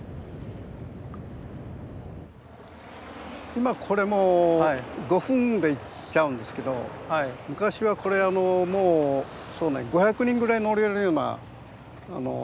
今これもう５分で行っちゃうんですけど昔はこれあのもうそうね５００人ぐらい乗れるようなあの。